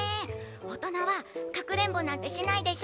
おとなはかくれんぼなんてしないでしょ。